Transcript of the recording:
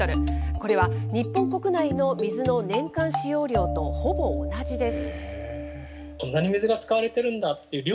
これは日本国内の水の年間使用量とほぼ同じです。